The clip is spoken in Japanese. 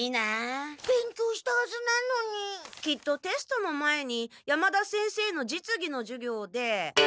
きっとテストの前に山田先生のじつぎの授業で。